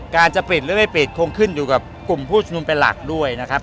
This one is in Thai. จะปิดหรือไม่ปิดคงขึ้นอยู่กับกลุ่มผู้ชมนุมเป็นหลักด้วยนะครับ